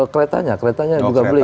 keretanya keretanya juga beli